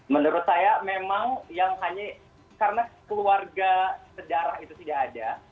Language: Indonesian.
menurut saya memang yang hanya karena keluarga sedara itu tidak ada